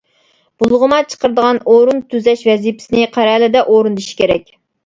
بۇلغىما چىقىرىدىغان ئورۇن تۈزەش ۋەزىپىسىنى قەرەلىدە ئورۇندىشى كېرەك.